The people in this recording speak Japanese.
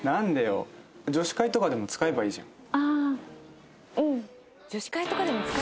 「女子会とかでも使えばいいじゃん」。